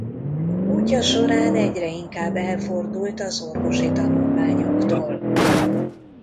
Útja során egyre inkább elfordult az orvosi tanulmányoktól.